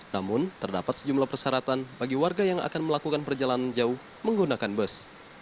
namun terdapat sejumlah persyaratan bagi warga yang akan melakukan perjalanan jauh menggunakan bus